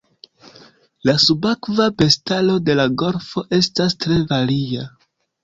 La subakva bestaro de la golfo estas tre varia.